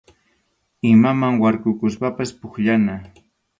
Imaman warkukuspapas pukllana.